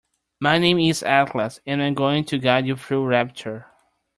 My name is Atlas and I'm going to guide you through Rapture.